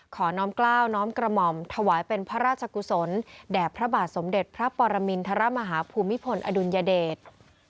น้อมกล้าวน้อมกระหม่อมถวายเป็นพระราชกุศลแด่พระบาทสมเด็จพระปรมินทรมาฮาภูมิพลอดุลยเดช